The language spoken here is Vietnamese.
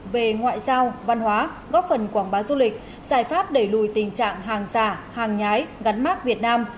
về ngoại giao văn hóa góp phần quảng bá du lịch giải pháp đẩy lùi tình trạng hàng giả hàng nhái gắn mát việt nam